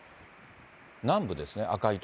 南部ですね、赤い所。